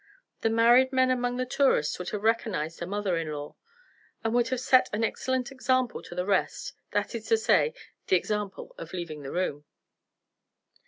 The married men among the tourists would have recognized a mother in law, and would have set an excellent example to the rest; that is to say, the example of leaving the room.